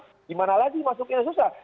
gimana lagi masuknya susah